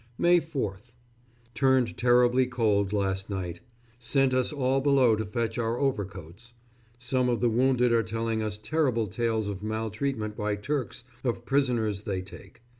May 4th. Turned terribly cold last night. Sent us all below to fetch our overcoats. Some of the wounded are telling us terrible tales of maltreatment by Turks of prisoners they take.